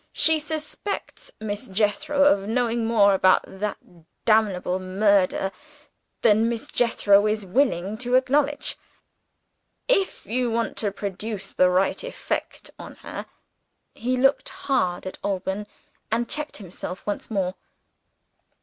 She suspects Miss Jethro of knowing more about that damnable murder than Miss Jethro is willing to acknowledge. If you want to produce the right effect on her " he looked hard at Alban and checked himself once more.